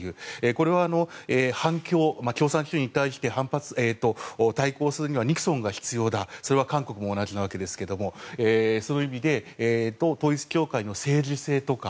これは反響共産主義に対して、反発対抗するにはニクソンが必要だそれは韓国も同じなわけですがそういう意味で統一教会の政治性とか。